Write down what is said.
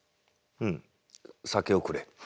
酒をくれ。